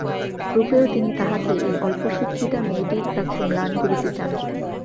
রূপেও তিনি তাহাকে এই অল্পশিক্ষিতা মেয়েটির কাছে ম্লান করিতে চান।